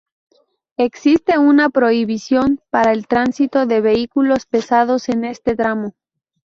Existe una prohibición para el tránsito de vehículos pesados en este tramo.